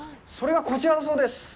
それが、こちらだそうです。